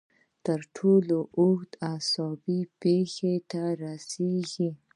تر ټولو اوږد اعصاب پښې ته رسېږي.